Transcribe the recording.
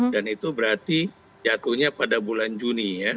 dan itu berarti jatuhnya pada bulan juni ya